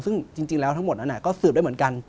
ซึ่งจริงแล้วทั้งหมดนั้นก็สืบได้เหมือนกัน